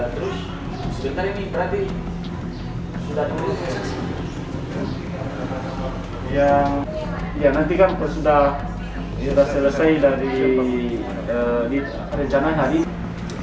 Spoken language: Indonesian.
terus sebentar ini berarti